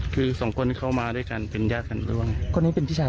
คือสองคนเข้ามาด้วยกันเป็นญาติกันหรือว่าไง